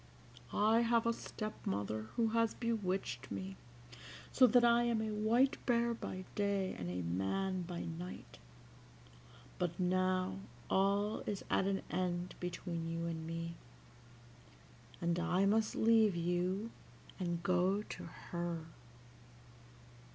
I have a step mother who has bewitched me so that I am a white bear by day and a man by night; but now all is at an end between you and me, and I must leave you, and go to her.